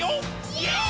イエーイ！！